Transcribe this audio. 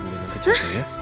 nanti jatuh ya